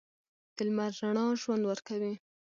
د لمر رڼا ژوند ورکوي.